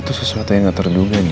itu sesuatu yang nggak terduga nih